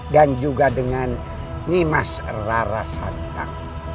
dan juga dengan nimas rara santan